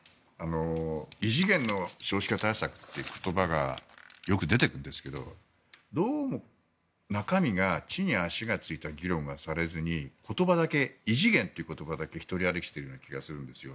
異次元の少子化対策という言葉がよく出てくるんですけどどうも中身が地に足がついた議論がされずに異次元という言葉だけ独り歩きしているような気がするんですよ。